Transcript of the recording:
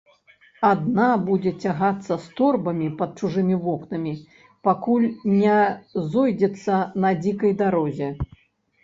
Адна будзе цягацца з торбамі пад чужымі вокнамі, пакуль не зойдзецца на дзікай дарозе.